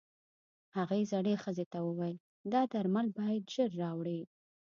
هغې زړې ښځې ته وويل دا درمل بايد ژر راوړې.